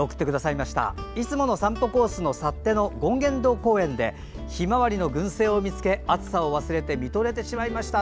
いつもの散歩コースの幸手の権現堂公園でヒマワリの群生を見つけ暑さを忘れて見とれてしまいました。